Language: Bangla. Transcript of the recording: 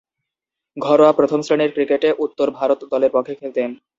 ঘরোয়া প্রথম-শ্রেণীর ক্রিকেটে উত্তর ভারত দলের পক্ষে খেলতেন।